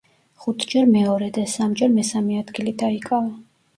ხუთჯერ მეორე და სამჯერ მესამე ადგილი დაიკავა.